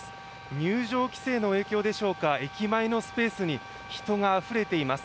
入場規制の影響でしょうか、駅前のスペースに人があふれています。